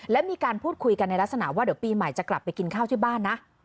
และมีการพูดคุยกันในลักษณะว่าเดี๋ยวปีใหม่จะกลับไปกินข้าวที่บ้านนะ